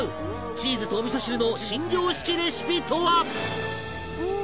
チーズとお味噌汁の新常識レシピとは？